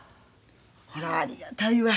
ほらありがたいわ。